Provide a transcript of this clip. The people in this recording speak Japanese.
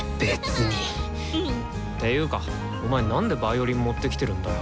ていうかお前なんでヴァイオリン持ってきてるんだよ。